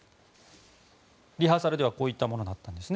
リハーサルではこういったものがありました。